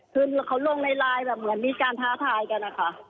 คือเขาลงในไลน์แบบเหมือนมีการท้าทายกันนะคะ